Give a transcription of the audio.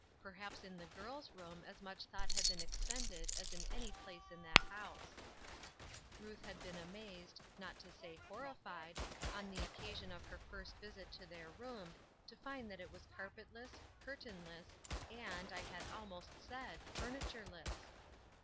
Perhaps in the girl's room as much tho ight had been expended as in any place in that house. liuth had been amazed, not to say horrified, on tlie occasion of her first visit to their room, to liiid that it was carpetless, curtainless, and, I Ixad almost said, furnitureless